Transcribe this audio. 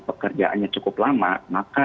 pekerjaannya cukup lama maka